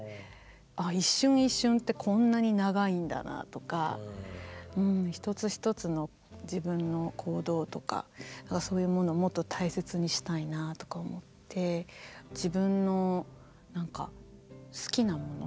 ああ一瞬一瞬ってこんなに長いんだなとか一つ一つの自分の行動とかそういうものをもっと大切にしたいなとか思って自分の好きなもの